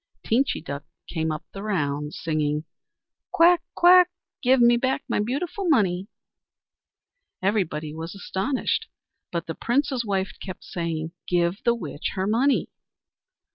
Teenchy Duck came up the rounds, singing: "Quack! quack! Give me back my beautiful money!" Everybody was astonished, and the Prince's wife kept saying: "Give the witch her money."